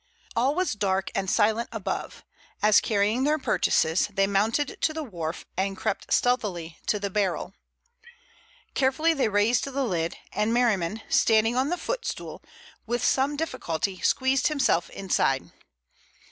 All was dark and silent above, as, carrying their purchases, they mounted to the wharf and crept stealthily to the barrel. Carefully they raised the lid, and Merriman, standing on the footstool, with some difficulty squeezed himself inside.